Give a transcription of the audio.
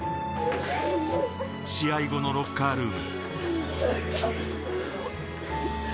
試合後のロッカールーム。